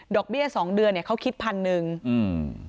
เบี้ยสองเดือนเนี้ยเขาคิดพันหนึ่งอืม